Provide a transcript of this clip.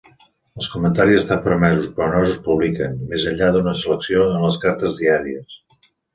Els comentaris estan permesos, però no es publiquen, més enllà d'una selecció en les cartes diàries.